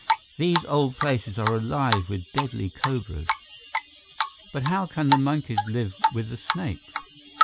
"These old places are alive with deadly cobras." "But how can the monkeys live with the snakes?"